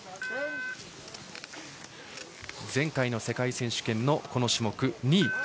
前回の世界選手権この種目、２位。